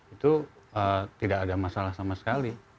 itu tidak ada masalah sama sekali